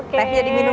tehnya diminum dulu